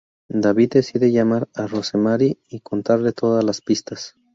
David decide llamar a Rosemary y contarle todas las pistas.